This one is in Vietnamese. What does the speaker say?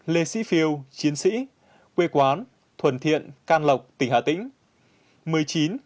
một mươi tám lê sĩ phiêu chiến sĩ quê quán thuần thiện cam lộ tỉnh quảng bình